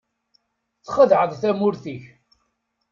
Txedɛeḍ tamurt-ik.